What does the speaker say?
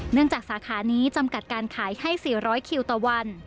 จากสาขานี้จำกัดการขายให้๔๐๐คิวต่อวัน